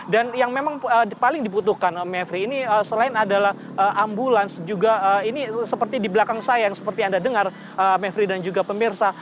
dan yang memang paling diputuhkan mavri ini selain adalah ambulans juga ini seperti di belakang saya yang seperti anda dengar mavri dan juga pemirsa